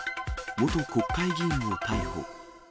元国会議員を逮捕。